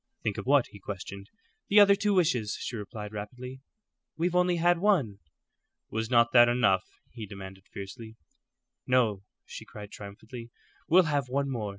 "Think of what?" he questioned. "The other two wishes," she replied, rapidly. "We've only had one." "Was not that enough?" he demanded, fiercely. "No," she cried, triumphantly; "we'll have one more.